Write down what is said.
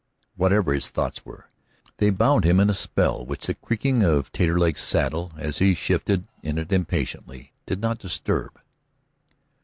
Whatever his thoughts were, they bound him in a spell which the creaking of Taterleg's saddle, as he shifted in it impatiently, did not disturb.